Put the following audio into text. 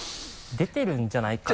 出てるんじゃないかなって。